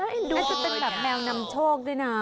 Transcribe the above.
ดูจะเป็นแบบแมวนำโชคด้วยนะ